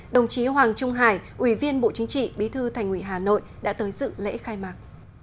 đồng chí hoàng trung hải ủy viên bộ chính trị bí thư thành ủy hà nội đã tới dự lễ khai mạc